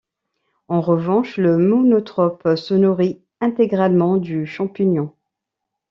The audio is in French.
En revanche, le monotrope se nourrit intégralement du champignon.